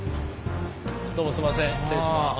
どうもすいません失礼します。